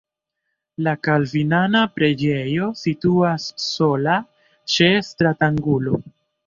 La kalvinana preĝejo situas sola ĉe stratangulo.